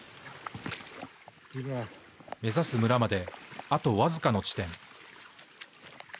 目指す村まであとわずかの地点。